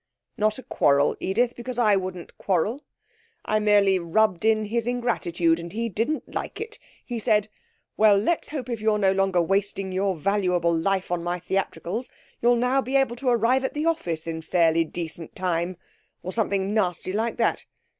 'Not a quarrel, Edith, because I wouldn't quarrel. I merely rubbed in his ingratitude, and he didn't like it. He said, "Well, let's hope if you're no longer wasting your valuable life on my theatricals you'll now be able to arrive at the office in fairly decent time," or something nasty like that.